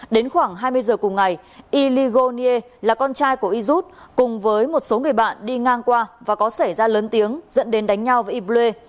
đến khoảng hai mươi h cùng ngày yligonier là con trai của yirut cùng với một số người bạn đi ngang qua và có xảy ra lớn tiếng dẫn đến đánh nhau với yble